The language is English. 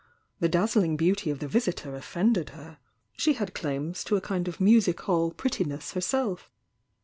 The dazzling beauty of the visitor offended her — she had claims to a kind of music hall prettiness herself.